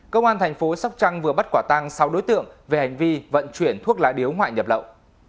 công an thành phố sóc trăng vừa bắt quả tăng sáu đối tượng về hành vi vận chuyển thuốc lá điếu ngoại nhập lậu